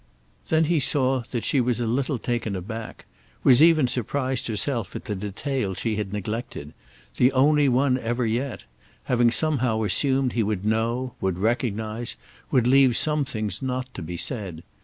Then he saw that she was a little taken aback, was even surprised herself at the detail she had neglected—the only one ever yet; having somehow assumed he would know, would recognise, would leave some things not to be said.